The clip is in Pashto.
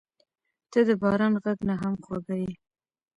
• ته د باران غږ نه هم خوږه یې.